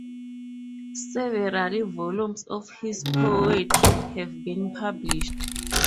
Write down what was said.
Several volumes of his poetry have been published.